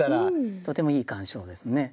とてもいい鑑賞ですね。